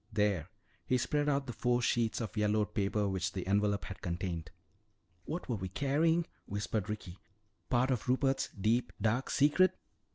There he spread out the four sheets of yellowed paper which the envelope had contained. "What were we carrying?" whispered Ricky. "Part of Rupert's deep, dark secret?"